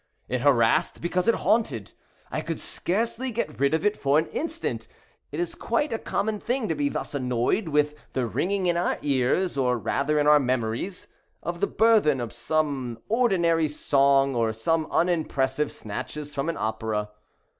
It harassed because it haunted. I could scarcely get rid of it for an instant. It is quite a common thing to be thus annoyed with the ringing in our ears, or rather in our memories, of the burthen of some ordinary song, or some unimpressive snatches from an opera.